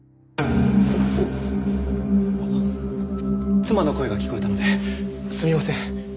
妻の声が聞こえたのですみません。